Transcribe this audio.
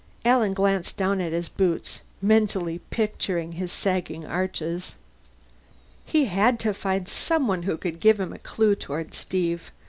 Alan glanced down at his boots, mentally picturing his sagging arches. He had to find someone who could give him a clue toward Steve.